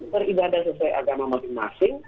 beribadah sesuai agama masing masing